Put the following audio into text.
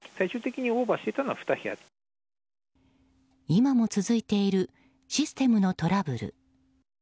今も続いているシステムのトラブル。